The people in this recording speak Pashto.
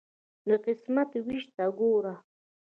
د قسمت ویش ته ګوره.